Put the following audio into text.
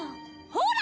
ほら！